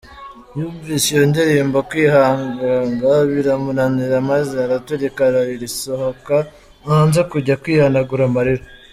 Yumvise iyo ndirimbo kwihaganga biramunanira maze araturika ararira asohoka hanze kujya kwihanagura amarira.